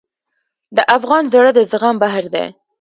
د افغان زړه د زغم بحر دی.